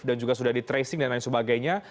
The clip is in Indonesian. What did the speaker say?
dan juga sudah di tracing dan lain sebagainya